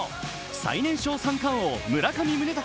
最年少三冠王・村上宗隆